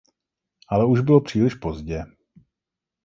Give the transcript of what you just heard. Ale už bylo příliš pozdě.